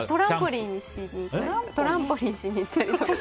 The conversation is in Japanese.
トランポリンをしに行ったりとか。